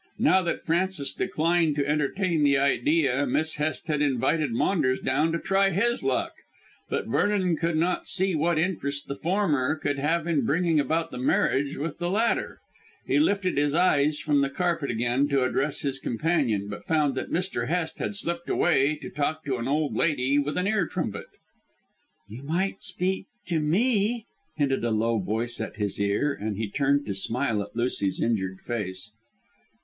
Now that Francis declined to entertain the idea Miss Hest had invited Maunders down to try his luck. But Vernon could not see what interest the former could have in bringing about the marriage with the latter. He lifted his eyes from the carpet to again address his companion, but found that Mr. Hest had slipped away to talk to an old lady with an ear trumpet. "You might speak to me," hinted a low voice at his ear, and he turned to smile at Lucy's injured face.